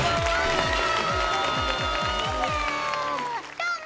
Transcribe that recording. どうも。